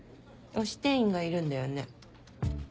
推し店員がいるんだよね。